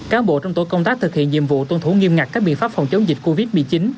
cán bộ trong tổ công tác thực hiện nhiệm vụ tuân thủ nghiêm ngặt các biện pháp phòng chống dịch covid một mươi chín